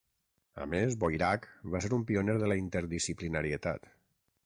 A més, Boirac va ser un pioner de la interdisciplinarietat.